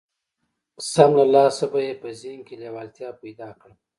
سم له لاسه به يې په ذهن کې لېوالتيا پيدا کړم.